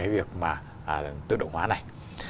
việc mà tự động hóa này